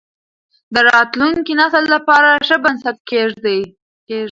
د راتلونکي نسل لپاره ښه بنسټ کېږدئ.